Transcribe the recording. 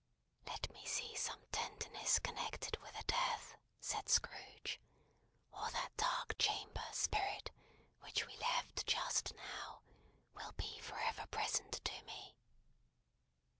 "Let me see some tenderness connected with a death," said Scrooge; "or that dark chamber, Spirit, which we left just now, will be for ever present to me."